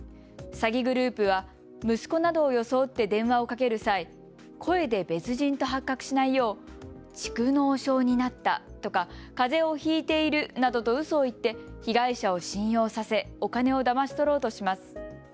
詐欺グループは息子などを装って電話をかける際、声で別人だと発覚しないよう蓄のう症になったとかかぜをひいているなどとうそを言って被害者を信用させお金をだまし取ろうとします。